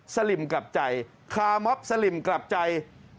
สลิมกลับใจคามอบสลิมกลับใจ